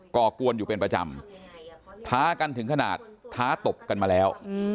ก่อกวนอยู่เป็นประจำท้ากันถึงขนาดท้าตบกันมาแล้ว